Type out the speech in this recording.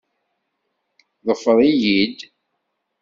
Ḍfeṛ-iyi-d.